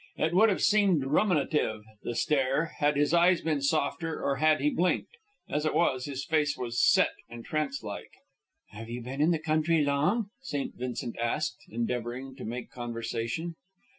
It would have seemed ruminative, the stare, had his eyes been softer or had he blinked; as it was, his face was set and trance like. "Have you been in the country long?" St. Vincent asked, endeavoring to make conversation.